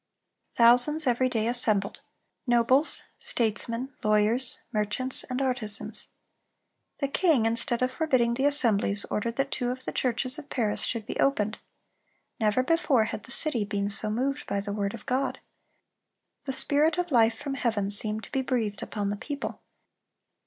Thousands every day assembled,—nobles, statesmen, lawyers, merchants, and artisans. The king, instead of forbidding the assemblies, ordered that two of the churches of Paris should be opened. Never before had the city been so moved by the word of God. The spirit of life from heaven seemed to be breathed upon the people.